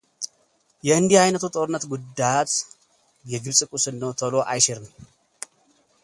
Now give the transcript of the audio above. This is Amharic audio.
የእንዲህ ዓይነቱ ጦርነት ጉዳት የግብጽ ቁስል ነው ቶሎ አይሽርም።